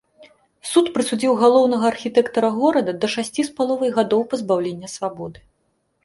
Суд прысудзіў галоўнага архітэктара горада да шасці з паловай гадоў пазбаўлення свабоды.